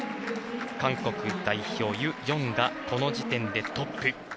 韓国代表、ユ・ヨンがこの時点でトップ。